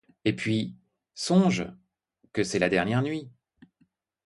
Et puis, songe que c'est la dernière nuit.